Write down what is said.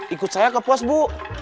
ikut saya ke puas bu